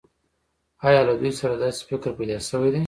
آیا له دوی سره داسې فکر پیدا شوی دی